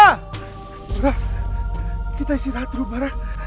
farah kita istirahat dulu farah